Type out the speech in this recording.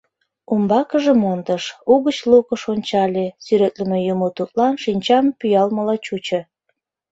Умбакыже мондыш, угыч лукыш ончале, сӱретлыме юмо тудлан шинчам пӱалмыла чучо.